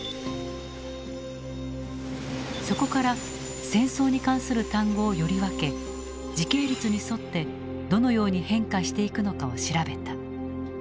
そこから戦争に関する単語をより分け時系列に沿ってどのように変化していくのかを調べた。